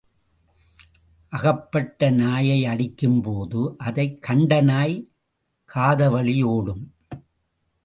அகப்பட்ட நாயை அடிக்கும் போது, அதைக் கண்ட நாய் காதவழி ஓடும்.